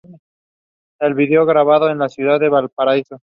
El vídeo grabado en la ciudad de Valparaíso.